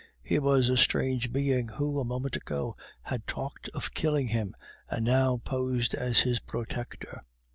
Here was a strange being who, a moment ago, had talked of killing him, and now posed as his protector.